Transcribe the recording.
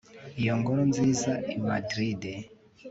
iyo ngoro nziza i madrid